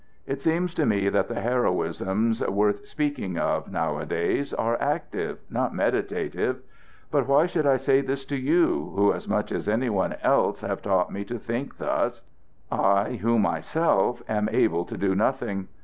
It seems to me that the heroisms worth speaking of nowadays are active, not meditative. But why should I say this to you, who as much as any one else have taught me to think thus I who myself am able to do nothing?